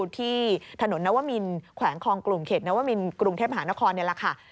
ที่ถนนนวมินแขวงคลองกลุ่มเขตนวมินกรุงเทพหานครนี่แหละค่ะ